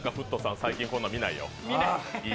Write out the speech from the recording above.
最近こういうの見ないよ。